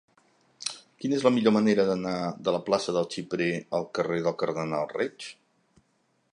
Quina és la millor manera d'anar de la plaça del Xiprer al carrer del Cardenal Reig?